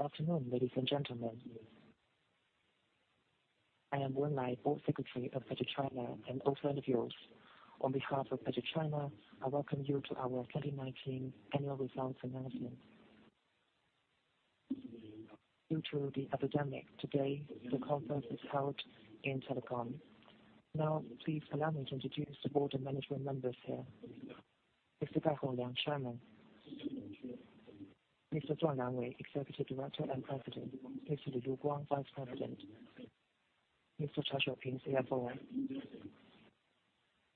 Good afternoon, ladies and gentlemen. I am Wu Enlai, Board Secretary of PetroChina, and also speaking on behalf of PetroChina. I Welcome you to our 2019 annual results announcement. Due to the epidemic, today the conference is held via telecom. Now, please allow me to introduce the board of management members here. Mr. Huang Yongzhang. Mr. Duan Liangwei, Executive Director and President. Mr. Li Luguang, Vice President. Mr. Chai Shouping, CFO.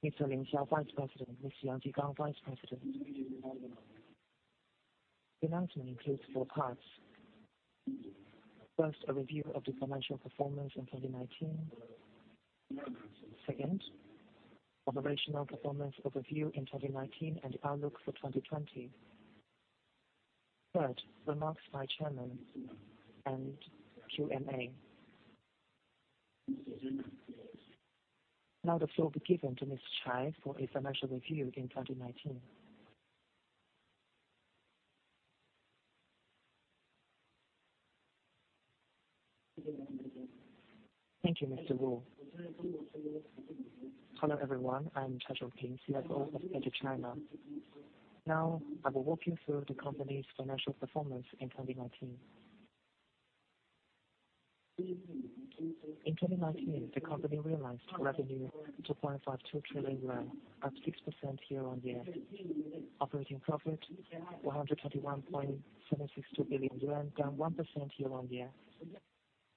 Mr. Ling Xiao, Vice President. Mr. Yang Jigang, Vice President. The announcement includes four parts. First, a review of the financial performance in 2019. Second, operational performance overview in 2019 and outlook for 2020. Third, remarks by Chairman and Q&A. Now, the floor will be given to Mr. Chai for a financial review in 2019. Thank you, Mr. Wu. Hello, everyone. I'm Chai Shouping, CFO of PetroChina. Now, I will walk you through the company's financial performance in 2019. In 2019, the company realized revenue of 2.52 trillion yuan, up 6% year-on-year. Operating profit: 121.762 billion yuan, down 1% year-on-year.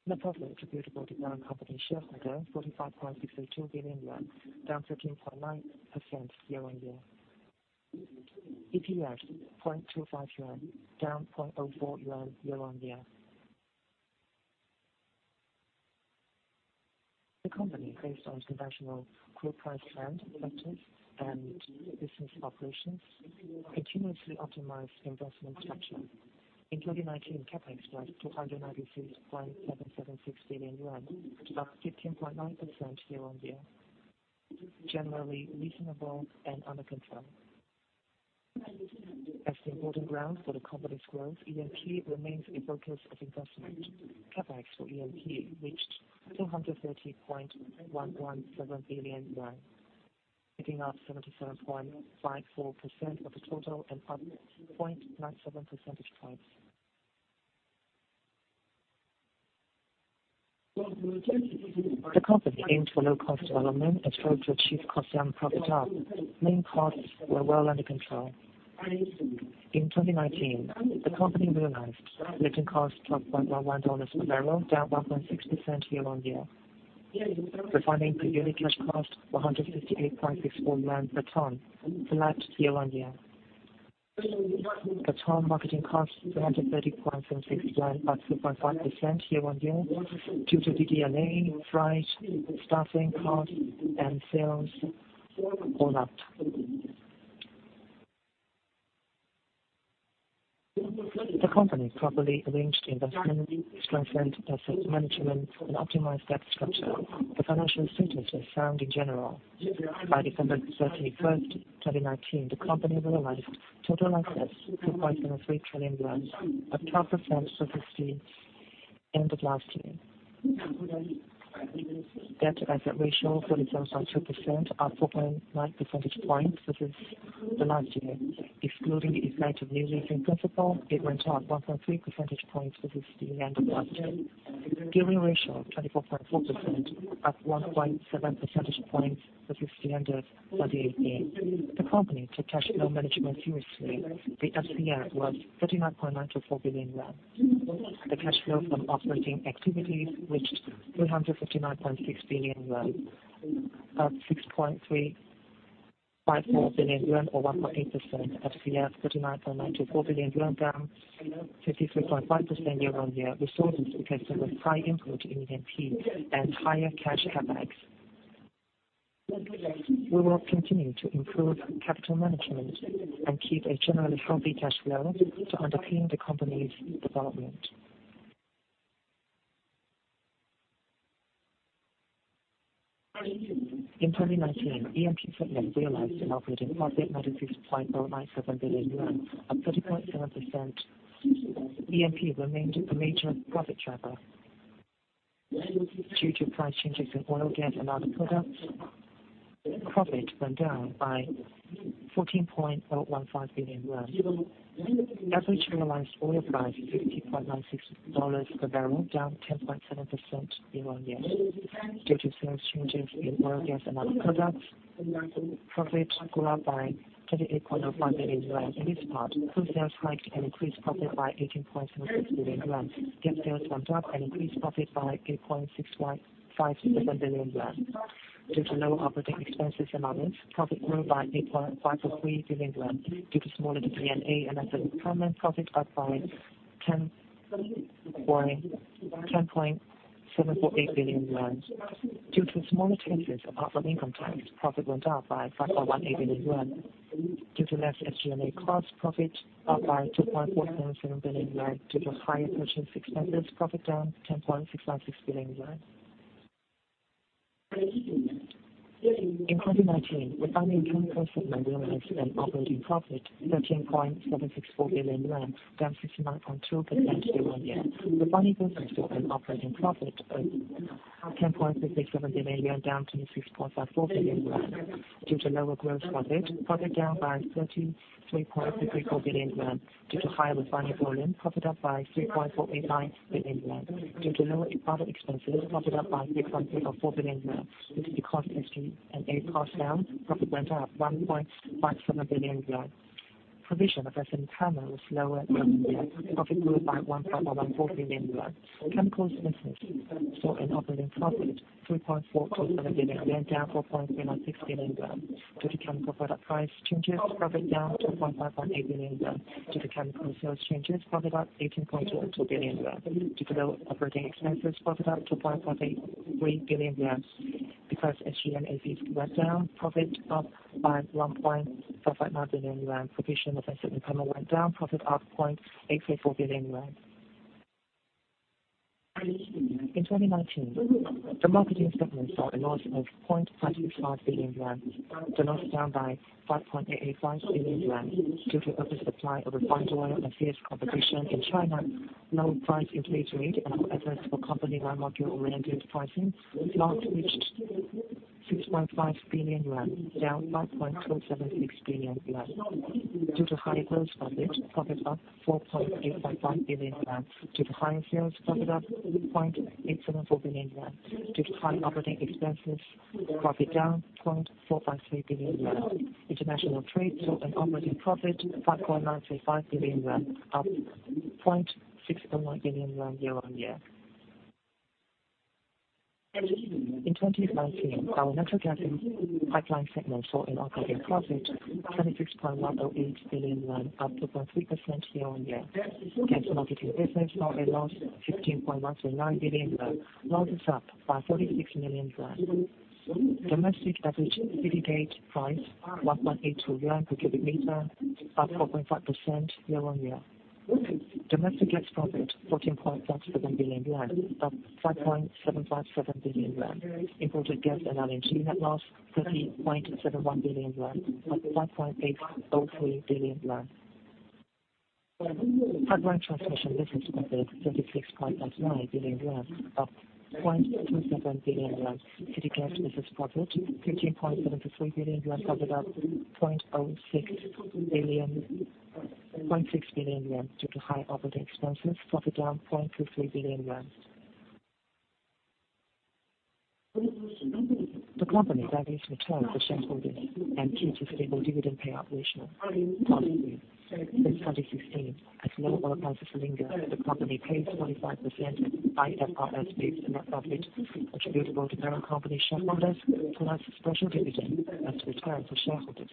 Net profit attributed to the parent company shareholder: 45.682 billion yuan, down 13.9% year-on-year. EPS: RMB 0.25, down 0.04 yuan year-on-year. The company, based on conventional group price trend factors and business operations, continuously optimized investment structure. In 2019, CapEx was 296.776 billion yuan, up 15.9% year-on-year. Generally reasonable and under control. As the important ground for the company's growth, E&P remains a focus of investment. CapEx for E&P reached RMB 230.117 billion, adding up 77.54% of the total and up 0.97% of price. The company aimed for low-cost development and strove to achieve cost-down profit targets. Main costs were well under control. In 2019, the company realized net income of $12.11 per barrel, down 1.6% year-on-year. Refining per unit cash cost: 168.64 per ton, flat year-on-year. Per ton marketing cost: RMB 330.76, up 2.5% year-on-year due to DD&A, freight, staffing costs, and sales all up. The company properly arranged investment, strengthened asset management, and optimized debt structure. The financial status was sound in general. By December 31st, 2019, the company realized total assets: RMB 2.73 trillion, up 12% versus the end of last year. Debt-to-asset ratio: 47.2%, up 4.9 percentage points versus the last year. Excluding effective new leasing principle, it went up 1.3 percentage points versus the end of last year. Gearing ratio: 24.4%, up 1.7 percentage points versus the end of 2018. The company took cash flow management seriously. The FCF was 39.924 billion yuan. The cash flow from operating activities reached 359.6 billion, up RMB 6.354 billion, or 1.8%. FCF: RMB 39.924 billion, down 53.5% year-on-year. Resources because there was high input in E&P and higher cash CapEx. We will continue to improve capital management and keep a generally healthy cash flow to underpin the company's development. In 2019, E&P segment realized an operating profit: RMB 96.097 billion, up 30.7%. E&P remained a major profit driver. Due to price changes in oil, gas, and other products, profit went down by 14.015 billion. Average realized oil price: $50.96 per barrel, down 10.7% year-on-year. Due to sales changes in oil, gas, and other products, profit grew up by RMB 28.05 billion. In this part, crude sales hiked and increased profit by 18.76 billion yuan. Gas sales went up and increased profit by 8.657 billion yuan. Due to lower operating expenses and others, profit grew by 8.543 billion yuan. Due to smaller DD&A and asset impairment, profit up by 10.748 billion yuan. Due to smaller taxes apart from income tax, profit went up by 5.18 billion yuan. Due to less SG&A cost, profit up by 2.477 billion yuan. Due to higher purchase expenses, profit down 10.696 billion yuan. In 2019, refining segment realized an operating profit: 13.764 billion, down 69.2% year-on-year. Refining segment operating profit: 10.57 billion, down 26.54 billion. Due to lower gross profit, profit down by 33.64 billion. Due to higher refining volume, profit up by 3.489 billion. Due to lower other expenses, profit up by 6.04 billion. Due to cost history and a cost down, profit went up 1.57 billion yuan. Provision for asset impairment was lower year-on-year. Profit grew by 1.14 billion yuan. Chemicals business saw an operating profit: 3.427 billion yuan, down 4.396 billion yuan. Due to chemical product price changes, profit down 2.518 billion yuan. Due to chemical sales changes, profit up 18.22 billion yuan. Due to low operating expenses, profit up 2.583 billion yuan. Because SG&A fees went down, profit up by 1.559 billion yuan. Provision for asset impairment went down, profit up RMB 0.844 billion. In 2019, the marketing segment saw a loss of 0.565 billion yuan. The loss down by 5.885 billion yuan. Due to oversupply of refined oil and fierce competition in China, low price realization rate and our efforts for company-by-market oriented pricing slowly reached 6.5 billion yuan, down 5.276 billion yuan. Due to higher gross profit, profit up 4.855 billion yuan. Due to higher sales, profit up RMB The company values return for shareholders and keeps a stable dividend payout ratio. Policy since 2016. As low oil prices linger, the company pays 45% IFRS-based net profit attributable to parent company shareholders plus special dividend as return for shareholders.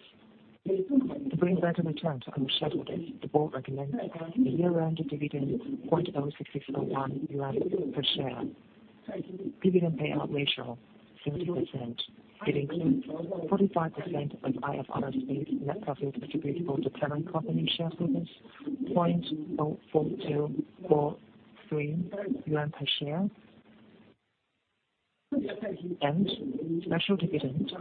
To bring better returns on the shareholders, the board recommends a year-end dividend: 0.06601 per share. Dividend payout ratio: 70%. It includes 45% of IFRS-based net profit attributable to parent company shareholders: 0.04243 yuan per share and special dividend: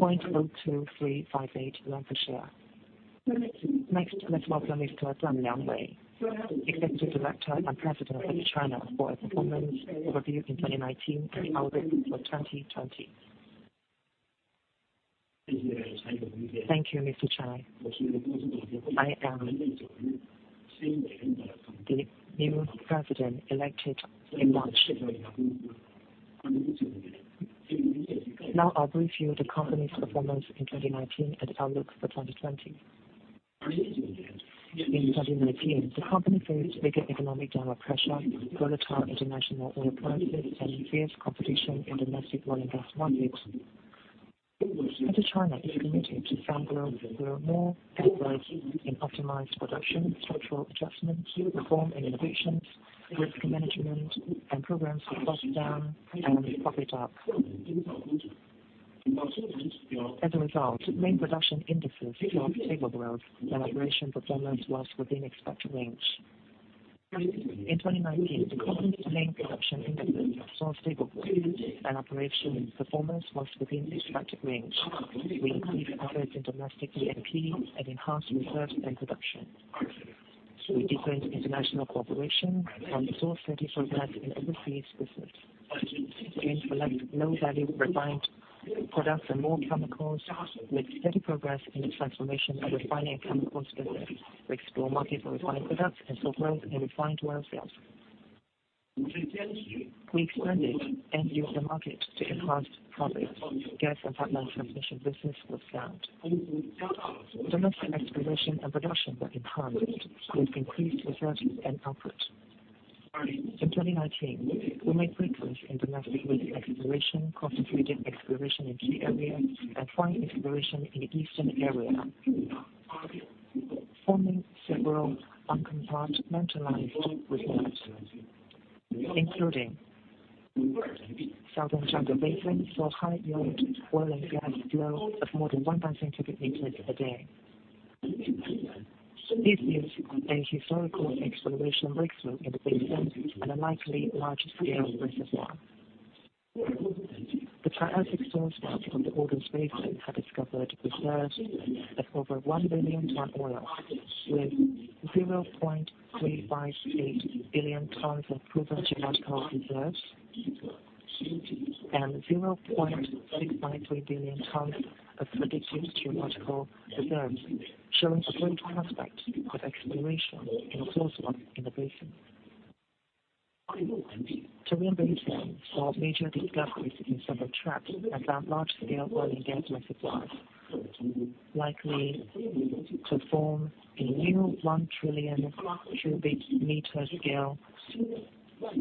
0.02358 yuan per share. Next, let's welcome Mr. Duan Liangwei, Executive Director and President of PetroChina for a performance overview in 2019 and outlook for 2020. Thank you, Mr. Chai. I am the new President elected in March. Now, I'll brief you on the company's performance in 2019 and outlook for 2020. In 2019, the company faced bigger economic downward pressure, volatile international oil prices, and fierce competition in domestic oil and gas markets. PetroChina is committed to firm growth through more efforts in optimized production, structural adjustments, reform and innovations, risk management, and programs for cost down and profit up. As a result, main production indices saw stable growth, and operation performance was within expected range. In 2019, the company's main production indices saw stable growth, and operation performance was within expected range. We increased efforts in domestic E&P and enhanced reserves and production. We deepened international cooperation and saw steady progress in overseas business. We aim for less low-value refined products and more chemicals, with steady progress in the transformation of refining and chemicals business. We explore markets for refined products and saw growth in refined oil sales. We expanded end-user market to enhance profits. Gas and pipeline transmission business was sound. Domestic exploration and production were enhanced, with increased reserves and output. In 2019, we made breakthroughs in domestic reef exploration, concentrated exploration in key areas, and fine exploration in the eastern area, forming several uncompartmentalized results, including: Southern Junggar Basin saw high yield oil and gas flow of more than 1,000 cubic meters a day. This is a historical exploration breakthrough in the basin and a likely large-scale reservoir. The Triassic source rocks on the Ordos Basin have discovered reserves of over 1 billion tonnes of oil, with 0.358 billion tonnes of proven geological reserves and 0.653 billion tonnes of predicted geological reserves, showing a great prospect of exploration in the Ordos Basin. Tarim Basin saw major discoveries in several tracts and found large-scale oil and gas reservoirs, likely to form a new 1 trillion cubic meter scale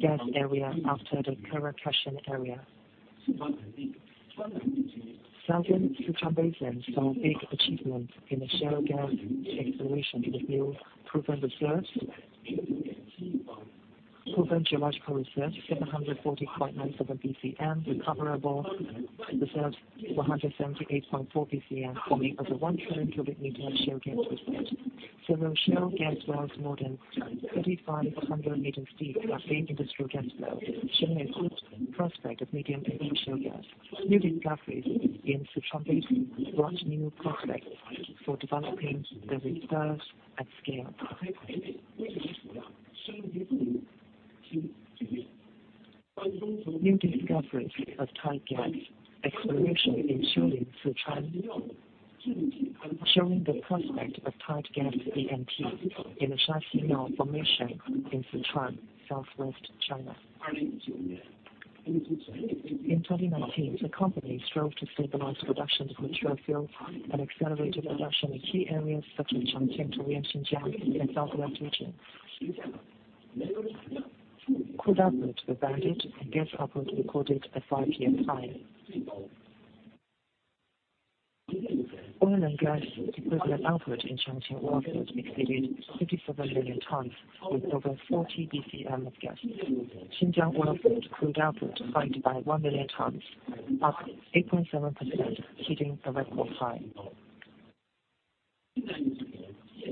gas area after the current Chongqing area. Southern Sichuan Basin saw big achievements in the shale gas exploration with new proven reserves. Proven geological reserves: 740.97 bcm recoverable reserves, 178.4 bcm, forming a 1 trillion cubic meter shale gas reserve. Several shale gas wells more than 3,500 meters deep have gained industrial gas flow, showing a good prospect of medium-deep shale gas. New discoveries in Sichuan Basin brought new prospects for developing the reserves at scale. New discoveries of tight gas exploration in Qiulin, Sichuan, showing the prospect of tight gas E&P in the Xujiahe formation in Sichuan, southwest China. In 2019, the company strove to stabilize production of mature fields and accelerate production in key areas such as Changqing, Tarim, Xinjiang, and southwest regions. Crude output was balanced, and gas output recorded a five-year high. Oil and gas equivalent output in Changqing oil field exceeded 57 million tonnes, with over 40 bcm of gas. Xinjiang Oilfield crude output climbed by one million tonnes, up 8.7%, hitting a record high.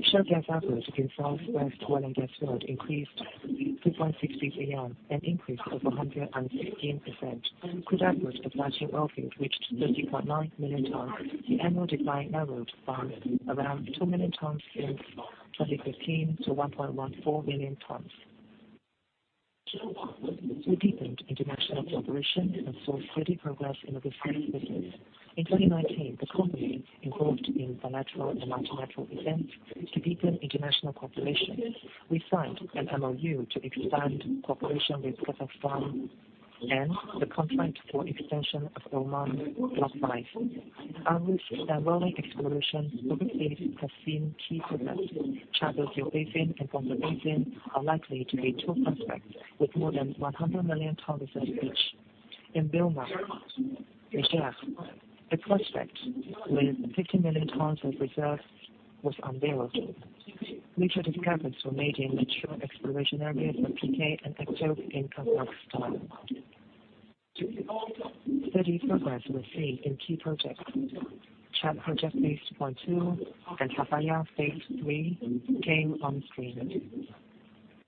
Shale gas output in the Southwest Oil and Gas Field increased 2.6 bcm and increased over 116%. Crude output of Daqing Oilfield reached 30.9 million tonnes. The annual decline narrowed by around two million tonnes since 2015 to 1.14 million tonnes. We deepened international cooperation and saw steady progress in overseas business. In 2019, the company engaged in bilateral and multilateral events to deepen international cooperation. We signed an MoU to expand cooperation with Kazakhstan and the contract for extension of Oman Block 5. Our risk and role in exploration overseas has seen key progress. Junggar Basin and Ordos Basin are likely to be two prospects with more than 100 million tonnes reserves each. In Bohai Bay Basin, a prospect with 50 million tonnes of reserves was unveiled. Multiple discoveries were made in natural gas exploration areas of PK and Aktobe in Kazakhstan. Steady progress was seen in key projects: Chad project Phase 2.2 and Halfaya phase III came on stream.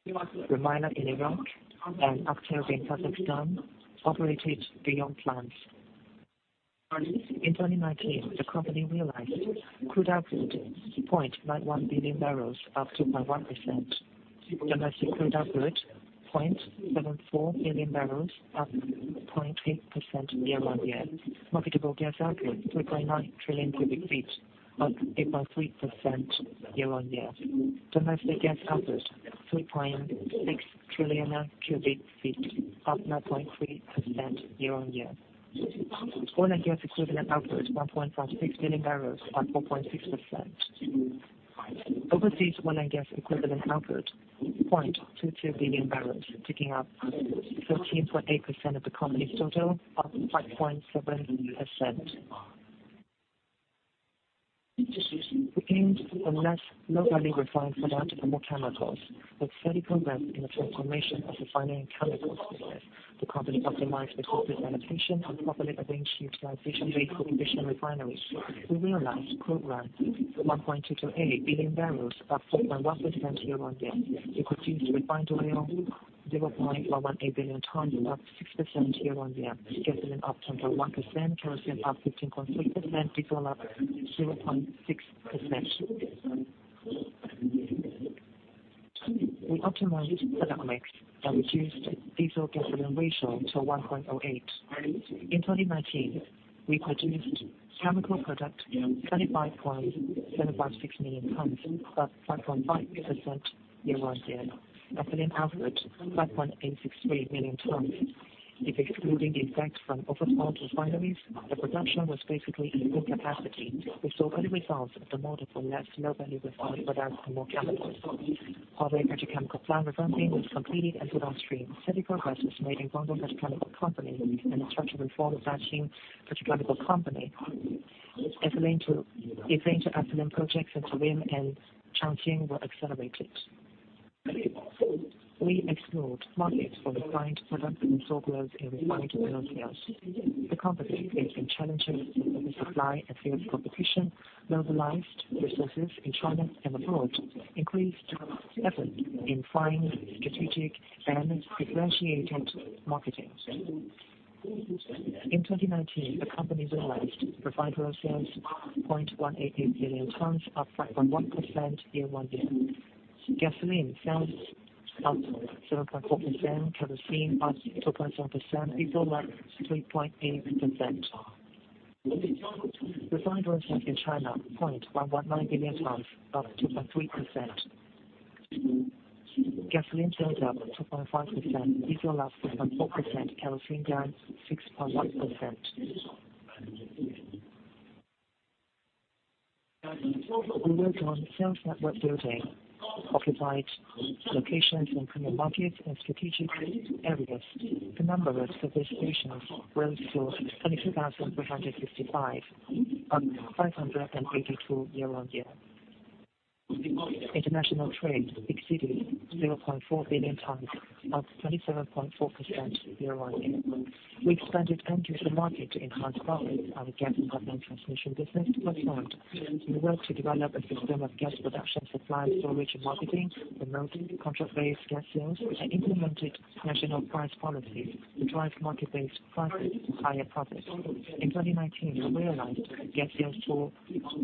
Rumaila in Iraq and Aktobe in Kazakhstan operated beyond plan. In 2019, the company realized crude output: 0.91 billion barrels, up 2.1%. Domestic crude output: 0.74 billion barrels, up 0.8% year-on-year. Marketable gas output: 3.9 trillion cubic feet, up 8.3% year-on-year. Domestic gas output: 3.6 trillion cubic feet, up 9.3% year-on-year. Oil and gas equivalent output: 1.56 billion barrels, up 4.6%. Overseas oil and gas equivalent output: 0.22 billion barrels, accounting for 13.8% of the company's total, up 5.7%. We aim for less low-value refined products and more chemicals. With steady progress in the transformation of refining and chemicals business, the company optimized reserves and location and properly arranged utilization rates for traditional refineries. We realized crude run: 1.228 billion barrels, up 4.1% year-on-year. We produced refined oil: 0.118 billion tonnes, up 6% year-on-year. Gasoline up 10.1%, kerosene up 15.6%, diesel up 0.6%. We optimized product mix and reduced diesel-gasoline ratio to 1.08. In 2019, we produced chemical product: 25.756 million tonnes, up 5.5% year-on-year. Ethylene output: 5.863 million tonnes. If excluding the effect from overhauled refineries, the production was basically in full capacity. We saw early results of the model for less low-value refined products and more chemicals. Huabei Petrochemical plant refining was completed and put on stream. Steady progress was made in Guangdong Petrochemical and the structural reform of Daqing Petrochemical Company. Ethane-to-ethylene projects in Tarim and Changqing were accelerated. We explored markets for refined products and saw growth in refined oil sales. The company faced challenges of supply and field competition, mobilized resources in China and abroad, and increased efforts in fine, strategic, and differentiated marketing. In 2019, the company realized refined oil sales: 0.188 billion tonnes, up 5.1% year-on-year. Gasoline sales: up 0.4%, kerosene up 2.7%, diesel up 3.8%. Refined oil sales in China: 0.119 billion tonnes, up 2.3%. Gasoline sales: up 2.5%, diesel: up 6.4%, kerosene: down 6.1%. We worked on sales network building occupied locations in premium markets and strategic areas. The number of service stations rose to 22,365, up 582 year-on-year. International trade exceeded 0.4 billion tonnes, up 27.4% year-on-year. We expanded end-user market to enhance profits and the gas and pipeline transmission business. Was formed. We worked to develop a system of gas production supply, storage, and marketing, promote contract-based gas sales, and implemented national price policies to drive market-based prices and higher profits. In 2019, we realized gas sales for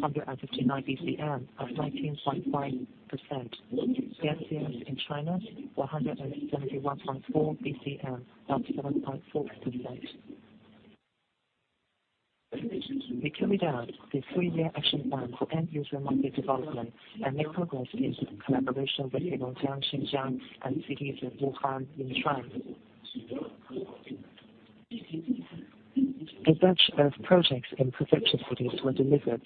159 bcm, up 19.5%. Gas sales in China: 171.4 bcm, up 7.4%. We carried out the three-year action plan for end-user market development and made progress in collaboration with Heilongjiang, Xinjiang, and cities of Wuhan, Yichang. A batch of projects in prefecture cities were delivered.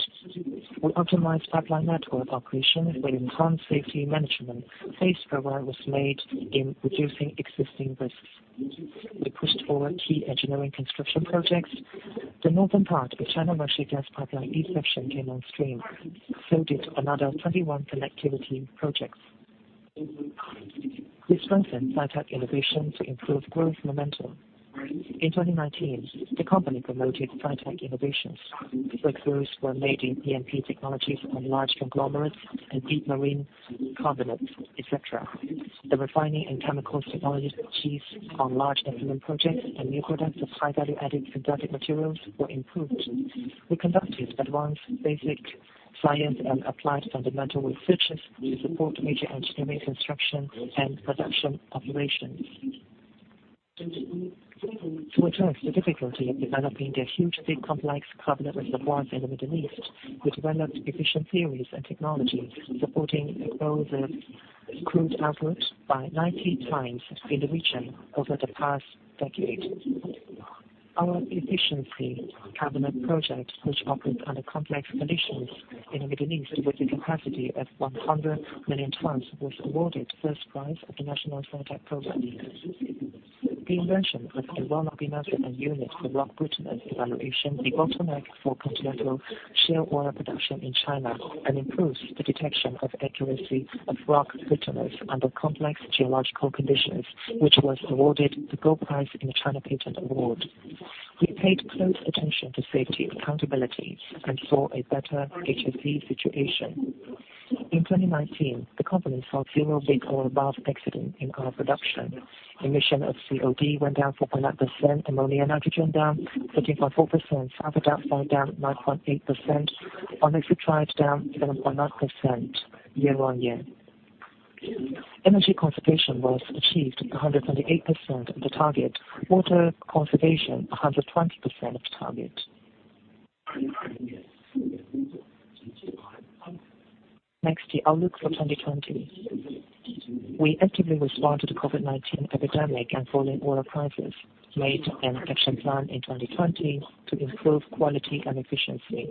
We optimized pipeline network operation with enhanced safety management. Phased progress was made in reducing existing risks. We pushed forward key engineering construction projects. The northern part of China-Russia East Gas Pipeline Heihe-Changchun section came on stream. So did another 21 connectivity projects. We strengthened S&T innovation to improve growth momentum. In 2019, the company promoted S&T innovation. Breakthroughs were made in E&P technologies on large conglomerates and deep marine carbonates, etc. The refining and chemicals technologies on large ethylene projects and new products of high-value added synthetic materials were improved. We conducted advanced basic science and applied fundamental researches to support major engineering construction and production operations. To address the difficulty of developing the huge, big, complex carbonate reservoirs in the Middle East, we developed efficient theories and technologies supporting the growth of crude output by 90 times in the region over the past decade. Our efficiency carbonate project, which operates under complex conditions in the Middle East with a capacity of 100 million tonnes, was awarded first prize of the National Science and Technology Progress Award. The invention of the Brittleness Index unit for rock brittleness evaluation is the bottleneck for continental shale oil production in China and improves the detection of accuracy of rock brittleness under complex geological conditions, which was awarded the gold prize in the China Patent Award. We paid close attention to safety accountability and saw a better HSE situation. In 2019, the company saw zero week or above excellence in oil production. Emission of COD went down 4.9%, ammonia and nitrogen down 13.4%, sulfur dioxide down 9.8%, NOx down 7.9% year-on-year. Energy conservation was achieved 128% of the target, water conservation 120% of the target. Next, the outlook for 2020. We actively respond to the COVID-19 epidemic and following oil crisis. Made an action plan in 2020 to improve quality and efficiency.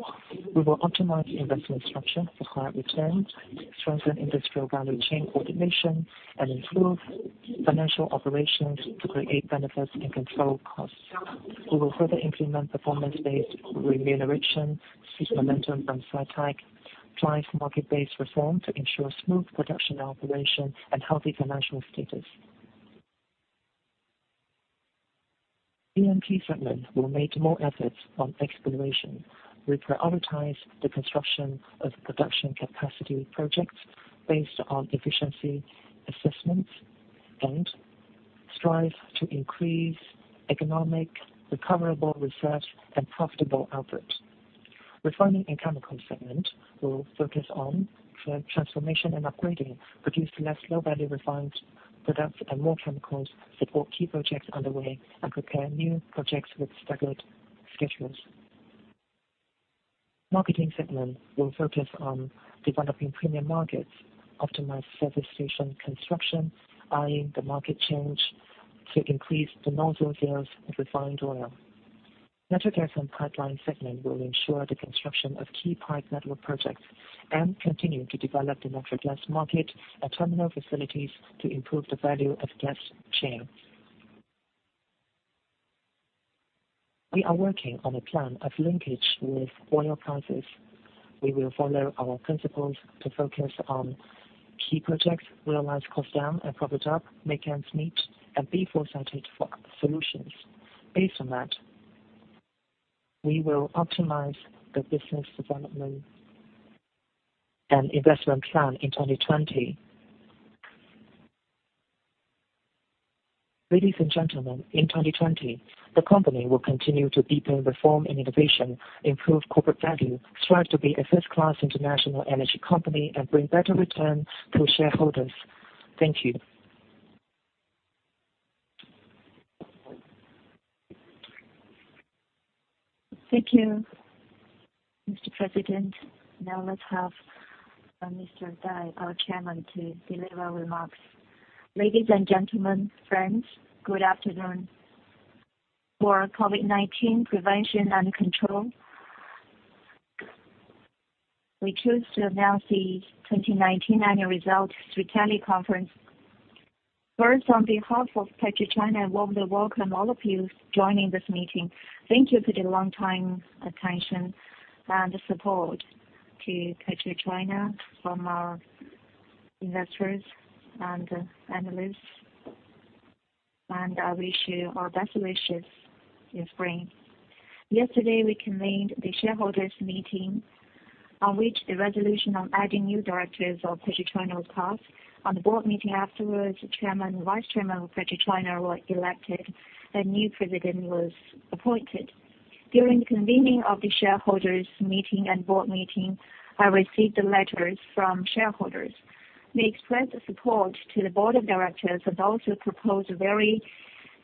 We will optimize investment structure for higher returns, strengthen industrial value chain coordination, and improve financial operations to create benefits and control costs. We will further implement performance-based remuneration, seek momentum from Sci-Tech, drive market-based reform to ensure smooth production operation and healthy financial status. E&P segment will make more efforts on exploration. We prioritize the construction of production capacity projects based on efficiency assessments and strive to increase economic recoverable reserves and profitable output. Refining and chemicals segment will focus on transformation and upgrading, produce less low-value refined products and more chemicals, support key projects underway, and prepare new projects with staggered schedules. Marketing segment will focus on developing premium markets, optimize service station construction, eyeing the market change to increase the nozzle sales of refined oil. Natural gas and pipeline segment will ensure the construction of key pipe network projects and continue to develop the natural gas market and terminal facilities to improve the value of gas chain. We are working on a plan of linkage with oil prices. We will follow our principles to focus on key projects, realize cost down and profit up, make ends meet, and be foresighted for solutions. Based on that, we will optimize the business development and investment plan in 2020. Ladies and gentlemen, in 2020, the company will continue to deepen reform and innovation, improve corporate value, strive to be a first-class international energy company, and bring better returns to shareholders. Thank you. Thank you, Mr. President. Now let's have Mr. Dai, our Chairman, to deliver remarks. Ladies and gentlemen, friends, good afternoon. For COVID-19 prevention and control, we choose to announce the 2019 annual results through teleconference. First, on behalf of PetroChina, I warmly welcome all of you joining this meeting. Thank you for the long-time attention and support to PetroChina from our investors and analysts, and I wish you our best wishes in spring. Yesterday, we convened the shareholders' meeting on which the resolution on adding new directors of PetroChina was passed. On the board meeting afterwards, Chairman and Vice Chairman of PetroChina were elected, and a new President was appointed. During the convening of the shareholders' meeting and board meeting, I received letters from shareholders. They expressed support to the board of directors and also proposed very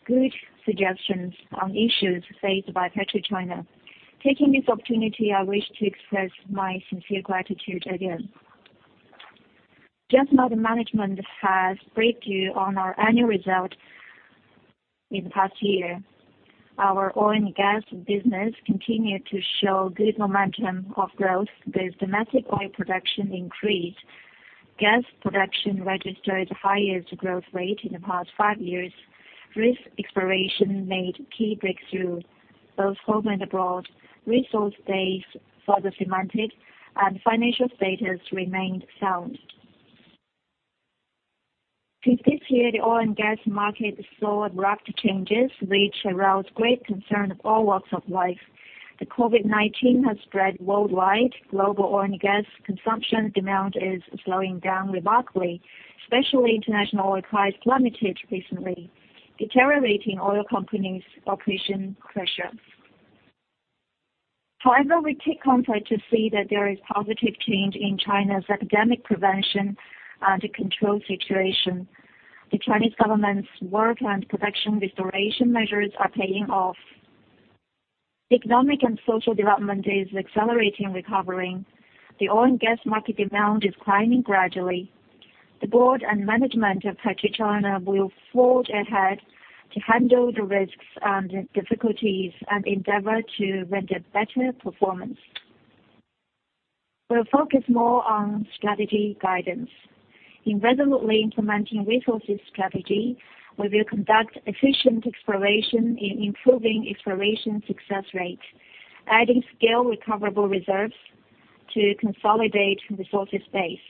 good suggestions on issues faced by PetroChina. Taking this opportunity, I wish to express my sincere gratitude again. Just now, the management has briefed you on our annual result in the past year. Our oil and gas business continued to show good momentum of growth with domestic oil production increase. Gas production registered the highest growth rate in the past five years. Risk exploration made key breakthroughs both home and abroad. Resource base further cemented, and financial status remained sound. Since this year, the oil and gas market saw abrupt changes, which aroused great concern of all walks of life. The COVID-19 has spread worldwide. Global oil and gas consumption demand is slowing down remarkably. Especially, international oil prices plummeted recently, deteriorating oil companies' operational pressure. However, we take comfort to see that there is positive change in China's epidemic prevention and control situation. The Chinese government's work and production restoration measures are paying off. Economic and social development is accelerating recovery. The oil and gas market demand is climbing gradually. The board and management of PetroChina will forge ahead to handle the risks and difficulties and endeavor to render better performance. We'll focus more on strategy guidance. In resolutely implementing resources strategy, we will conduct efficient exploration in improving exploration success rate, adding scale recoverable reserves to consolidate resources base.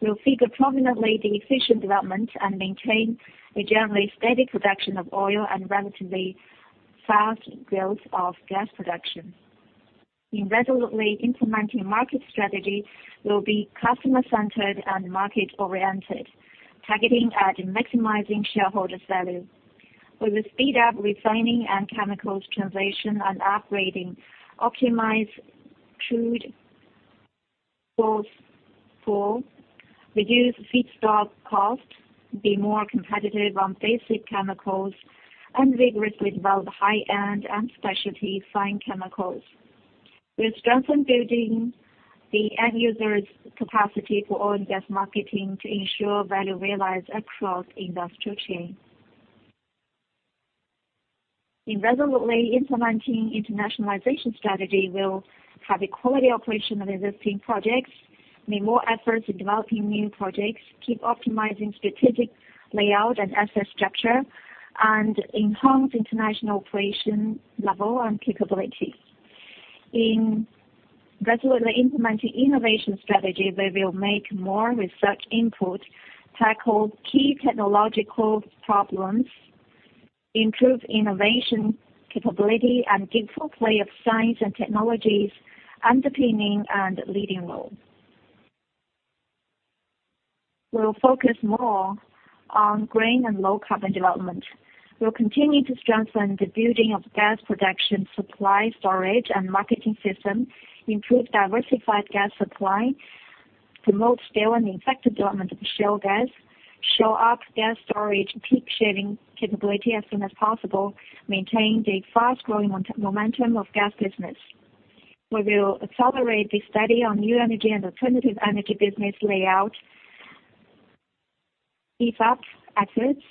We'll figure prominently the efficient development and maintain a generally steady production of oil and relatively fast growth of gas production. In resolutely implementing market strategy, we'll be customer-centered and market-oriented, targeting at maximizing shareholders' value. We will speed up refining and chemicals transformation and upgrading, optimize crude sales for reduce feedstock costs, be more competitive on basic chemicals, and vigorously develop high-end and specialty fine chemicals. We'll strengthen building the end-user's capacity for oil and gas marketing to ensure value realized across the industrial chain. In resolutely implementing internationalization strategy, we'll have a quality operation of existing projects, make more efforts in developing new projects, keep optimizing strategic layout and asset structure, and enhance international operation level and capabilities. In resolutely implementing innovation strategy, we will make more research input, tackle key technological problems, improve innovation capability, and give full play of science and technologies underpinning and leading role. We'll focus more on green and low-carbon development. We'll continue to strengthen the building of gas production supply storage and marketing system, improve diversified gas supply, promote scale and effective development of shale gas, show up gas storage peak shaving capability as soon as possible, maintain the fast-growing momentum of gas business. We will accelerate the study on new energy and alternative energy business layout, keep up efforts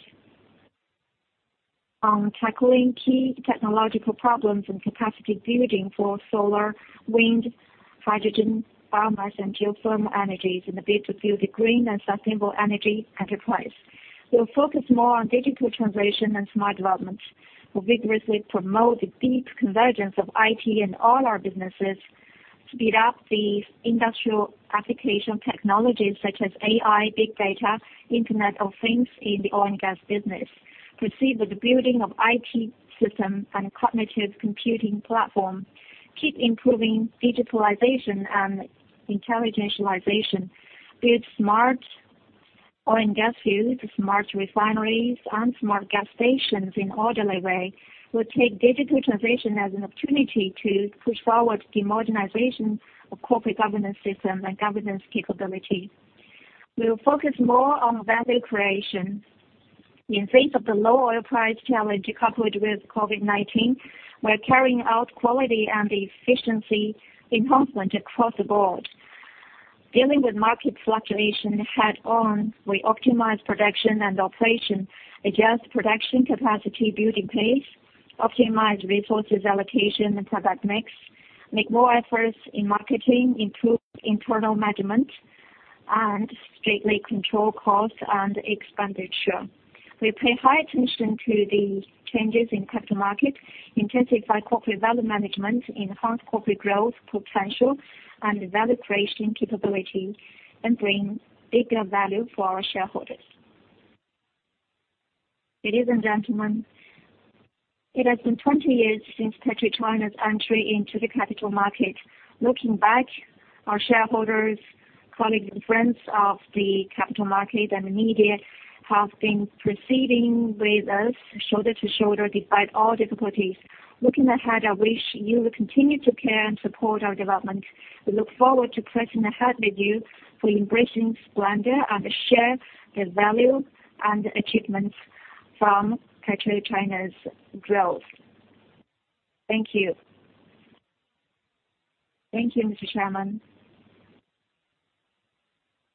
on tackling key technological problems and capacity building for solar, wind, hydrogen, biomass, and geothermal energies in the bid to build a green and sustainable energy enterprise. We'll focus more on digital transformation and smart development. We'll vigorously promote the deep convergence of IT and all our businesses, speed up the industrial application technologies such as AI, big data, Internet of Things in the oil and gas business, proceed with the building of IT system and cognitive computing platform, keep improving digitalization and intelligentialization, build smart oil and gas fields, smart refineries, and smart gas stations in an orderly way. We'll take digital translation as an opportunity to push forward the modernization of corporate governance system and governance capability. We'll focus more on value creation. In face of the low oil price challenge coupled with COVID-19, we're carrying out quality and efficiency enhancement across the board. Dealing with market fluctuation head-on, we optimize production and operation, adjust production capacity building pace, optimize resources allocation and product mix, make more efforts in marketing, improve internal management, and strictly control costs and expenditure. We pay high attention to the changes in capital market, intensify corporate value management, enhance corporate growth potential, and value creation capability, and bring bigger value for our shareholders. Ladies and gentlemen, it has been 20 years since PetroChina's entry into the capital market. Looking back, our shareholders, colleagues, and friends of the capital market and the media have been proceeding with us shoulder to shoulder despite all difficulties. Looking ahead, I wish you will continue to care and support our development. We look forward to pressing ahead with you for embracing splendor and share the value and achievements from PetroChina's growth. Thank you. Thank you, Mr. Chairman.